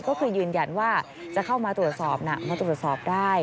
ก็คือยืนยันว่าจะเข้ามาตรวจสอบนะมาตรวจสอบได้